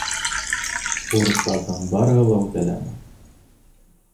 Бурыстарҙың барыһы ла үтәләме?